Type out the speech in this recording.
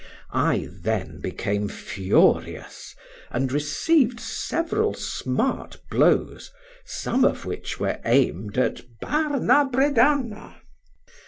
I then became furious, and received several smart blows, some of which were aimed at 'Barna Bredanna'.